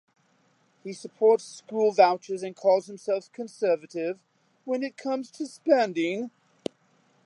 He supports school vouchers and calls himself "conservative when it comes to spending".